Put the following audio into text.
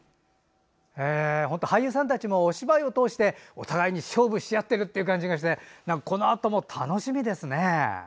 本当に俳優さんたちもお芝居を通してお互いに勝負しあっている感じでこのあとも楽しみですね。